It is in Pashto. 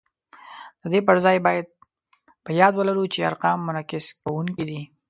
د دې پر ځای باید په یاد ولرو چې ارقام منعکس کوونکي دي